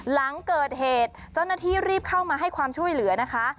หลังเกิดเหตุเจ้าหน้าที่รีบเข้ามาให้ความช่วยเหลือนะคะ